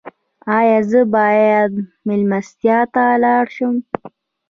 ایا زه باید میلمستیا ته لاړ شم؟